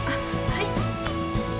はい。